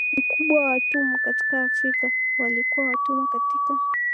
mkubwa wa watumwa katika Afrika walikuwa watumwa katika